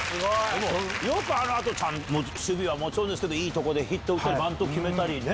よくあの後守備はもちろんですけどいいとこでヒット打ってバント決めたりね。